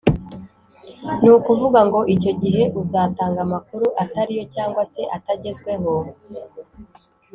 ni ukuvuga ngo icyo gihe uzatanga amakuru atari yo cyangwa se atagezweho